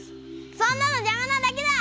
そんなのじゃまなだけだ！